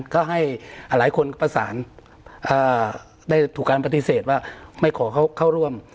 ก็ให้หลายคนก็ประสานได้ถูกการปฏิเสธว่าไม่ขอเข้าร่วม